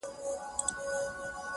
بيزو ناسته وه خاوند ته يې كتله!.